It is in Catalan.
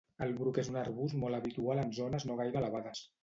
El bruc és un arbust molt habitual en zones no gaire elevades